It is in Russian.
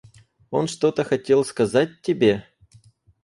Он что-то хотел сказать тебе?